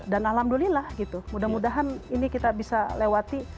dan alhamdulillah gitu mudah mudahan ini kita bisa lewati